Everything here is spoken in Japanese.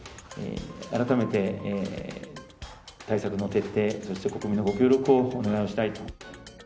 改めて対策の徹底、そして国民のご協力をお願いをしたいと。